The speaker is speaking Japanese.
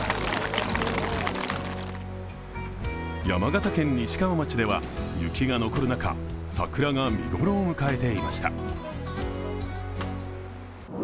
山形県西川町では雪が残る中、桜が見頃を迎えていました。